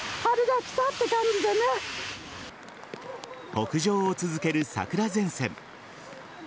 北上を続ける桜前線。